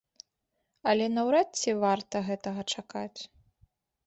Але наўрад ці варта гэтага чакаць.